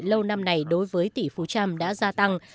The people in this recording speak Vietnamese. lâu năm này đối với tỷ phú trump đã gia tăng